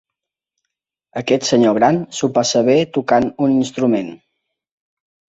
Aquest senyor gran s'ho passa bé tocant un instrument.